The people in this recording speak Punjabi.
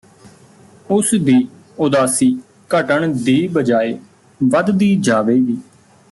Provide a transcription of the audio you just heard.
ਉਸ ਦੀ ਉਦਾਸੀ ਘਟਣ ਦੀ ਬਜਾਏ ਵਧਦੀ ਜਾਵੇਗੀ